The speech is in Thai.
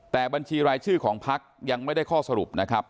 แต่บัญชีรายชื่อของพักยังไม่ได้ข้อสรุปนะครับ